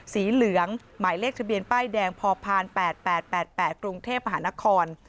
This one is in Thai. สีเหลืองหมายเลขทะเบียนป้ายแดงพพ๘๘กรุงเทพมหานคร